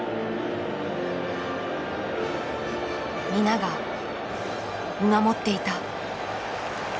皆が見守っていた。